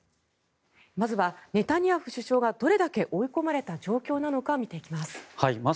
まずは、ネタニヤフ首相がどれだけ追い込まれた状況なのか見ていきます。